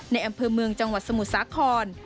ในอำเภอเมืองจังหวัดสมุทรสาคร